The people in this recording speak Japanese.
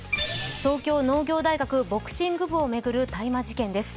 東京農業大学ボクシング部を巡る大麻事件です。